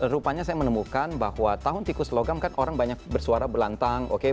rupanya saya menemukan bahwa tahun tikus logam kan orang banyak bersuara belantang